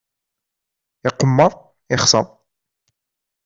Iqemmer, yexser.